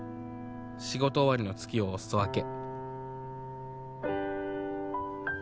仕事終わりの月をおすそわけ」。